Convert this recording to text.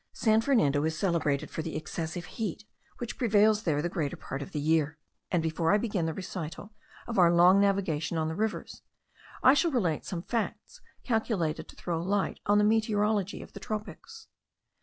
San Fernando is celebrated for the excessive heat which prevails there the greater part of the year; and before I begin the recital of our long navigation on the rivers, I shall relate some facts calculated to throw light on the meteorology of the tropics.